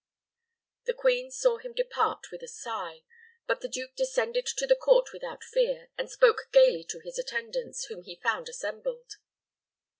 The queen saw him depart with a sigh, but the duke descended to the court without fear, and spoke gayly to his attendants, whom he found assembled.